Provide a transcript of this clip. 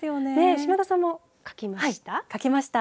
嶋田さんも書きました。